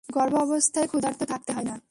গর্ভাবস্থায় ক্ষুধার্ত থাকতে হয় না।